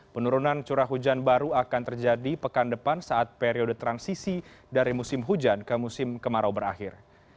penurunan curah hujan baru akan terjadi pekan depan saat periode transisi dari musim hujan ke musim kemarau berakhir